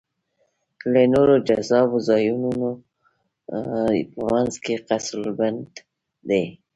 له نورو جذابو ځایونو په منځ کې قصرالبنت دی.